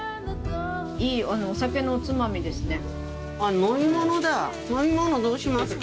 いいお酒のおつまみですね。